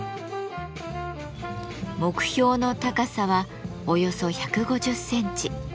目標の高さはおよそ１５０センチ。